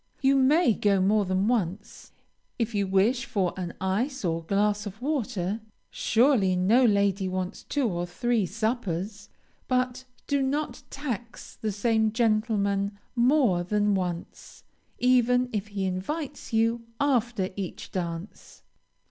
You may go more than once, if you wish for an ice or glass of water, (surely no lady wants two or three suppers,) but do not tax the same gentleman more than once, even if he invites you after each dance.